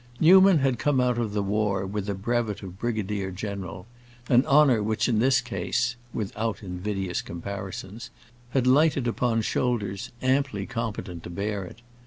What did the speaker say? Newman had come out of the war with a brevet of brigadier general, an honor which in this case—without invidious comparisons—had lighted upon shoulders amply competent to bear it.